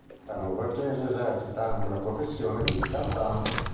La norvegese esercita anche la professione di cantante.